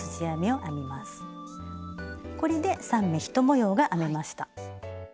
これで３目１模様が編めました。